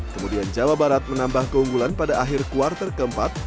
kemudian jawa barat menambah keunggulan pada akhir kuartal keempat